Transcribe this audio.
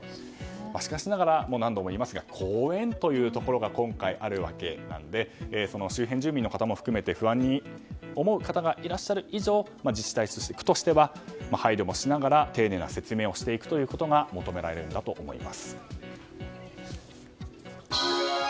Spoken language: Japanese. しかしながら、何度も言いますが公園というところが今回、あるわけなので周辺住民も含めて不安に思う方がいる以上自治体として、区としては配慮をしながら丁寧な説明をしていくということが求められるんだと思います。